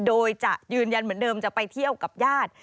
โดยจะยืนยันเหมือนเดิมจะไปเที่ยวกับญาติ